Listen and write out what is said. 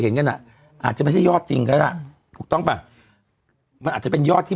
กันอ่ะอาจจะไม่ใช่ยอดจริงก็ได้ถูกต้องป่ะมันอาจจะเป็นยอดที่